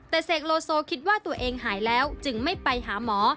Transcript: แต่เสกโลโซคิดว่าตัวเองหายแล้วจึงไม่ไปหาหมอ